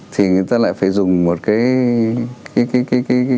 thì người ta lại phải dùng một cái